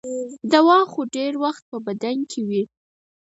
دوا خو ډېر وخت په بدن کې وي.